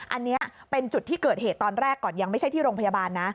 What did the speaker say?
อันนี้เป็นจุดที่เกิดเหตุตอนแรกก่อนยังไม่ใช่ที่โรงพยาบาลนะ